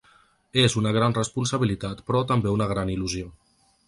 És una gran responsabilitat però també una gran il·lusió.